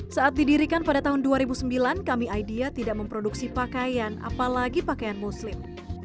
saat didirikan pada tahun dua ribu sembilan kami idea tidak memproduksi pakaian apalagi pakaian muslim